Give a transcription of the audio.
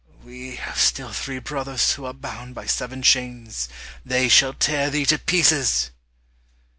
We have still three brothers who are bound by seven chains they shall tear thee to pieces."